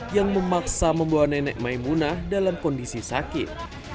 yang memaksa membawa nenek maimunah dalam kondisi sakit